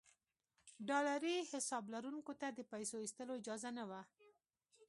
ډالري حساب لرونکو ته د پیسو ایستلو اجازه نه وه.